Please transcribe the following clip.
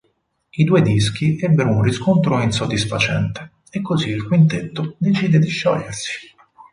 I due dischi ebbero un riscontro insoddisfacente, e così il quintetto decise di sciogliersi.